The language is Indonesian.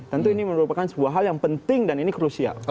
tentu ini merupakan sebuah hal yang penting dan ini krusial